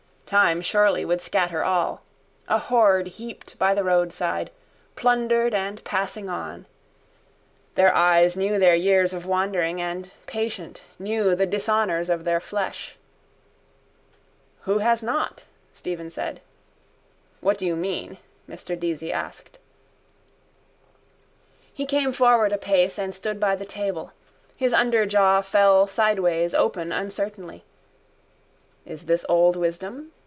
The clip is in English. Time surely would scatter all. A hoard heaped by the roadside: plundered and passing on. Their eyes knew their years of wandering and, patient, knew the dishonours of their flesh. —Who has not? Stephen said. —What do you mean? Mr Deasy asked. He came forward a pace and stood by the table. His underjaw fell sideways open uncertainly. Is this old wisdom?